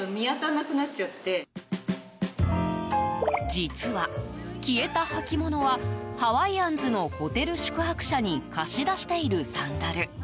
実は、消えた履物はハワイアンズのホテル宿泊者に貸し出しているサンダル。